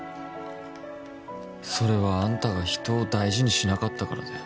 それはあんたが人を大事にしなかったからだよ